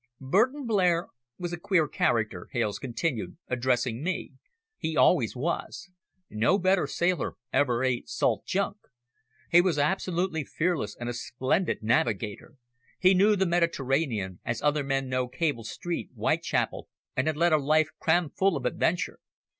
"Burton Blair was a queer character," Hales continued, addressing me, "he always was. No better sailor ever ate salt junk. He was absolutely fearless and a splendid navigator. He knew the Mediterranean as other men know Cable Street, Whitechapel, and had led a life cram full of adventure.